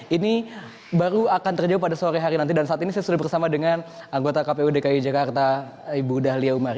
ini baru akan terjawab pada sore hari nanti dan saat ini saya sudah bersama dengan anggota kpu dki jakarta ibu dahlia umar